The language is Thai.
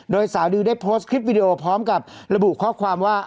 โดยสาวดิวได้โพสต์คลิปวิดีโอพร้อมกับระบุข้อความว่า